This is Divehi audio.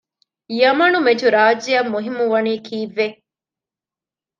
ޔަމަން މެޗު ރާއްޖެ އަށް މުހިއްމުވަނީ ކީއްވެ؟